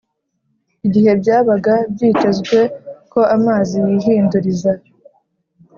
. Igihe byabaga byitezwe ko amazi yihinduriza,